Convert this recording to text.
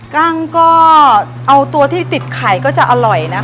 กั้งก็เอาตัวที่ติดไข่ก็จะอร่อยนะคะ